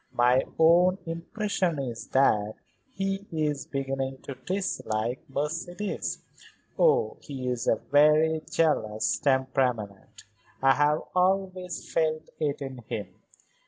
My own impression is that he is beginning to dislike Mercedes. Oh, he is a very jealous temperament; I have always felt it in him.